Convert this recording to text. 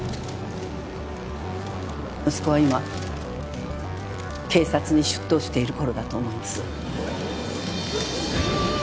息子は今警察に出頭している頃だと思います。